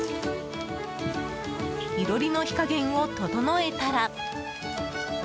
囲炉裏の火加減を整えたら。